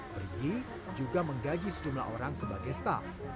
perigi juga menggaji sejumlah orang sebagai staff